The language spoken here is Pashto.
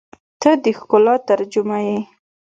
• ته د ښکلا ترجمه یې.